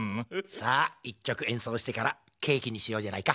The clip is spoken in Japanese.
さあ一曲えんそうしてからケーキにしようじゃないか。